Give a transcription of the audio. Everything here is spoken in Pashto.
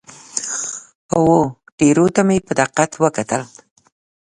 وه ټیرو ته مې په دقت وکتل.